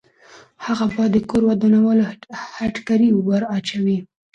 هغه باید د کور ودانولو هتکړۍ ورواچوي.